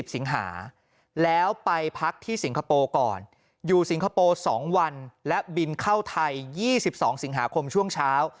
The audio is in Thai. สิงหาแล้วไปพักที่สิงคโปร์ก่อนอยู่สิงคโปร์๒วันและบินเข้าไทย๒๒สิงหาคมช่วงเช้า